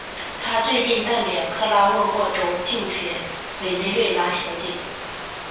她最近代表卡拉沃沃州竞选委内瑞拉小姐。